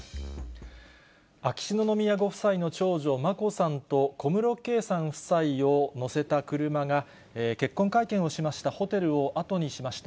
秋篠宮ご夫妻の長女、眞子さんと、小室圭さん夫妻を乗せた車が、結婚会見をしましたホテルをあとにしました。